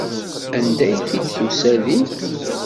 Anda t-id-tusa din.